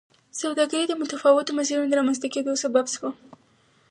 سوداګري د متفاوتو مسیرونو د رامنځته کېدو سبب شوه.